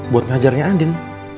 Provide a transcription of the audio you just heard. buat ngajarnya andin